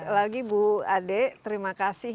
lagi bu ade terima kasih